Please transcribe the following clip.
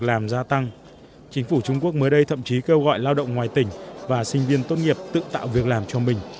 chính phủ trung quốc mới đây thậm chí kêu gọi lao động ngoài tỉnh và sinh viên tốt nghiệp tự tạo việc làm cho mình